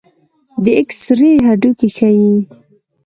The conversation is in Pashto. د ایکس رې هډوکي ښيي.